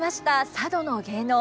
佐渡の芸能